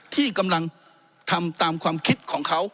ที่กำลังทำตามความคิดของเขา